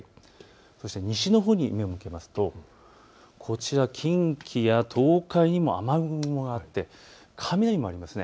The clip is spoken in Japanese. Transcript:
そして西のほうに目を向けますとこちら近畿や東海にも雨雲があって雷もあります。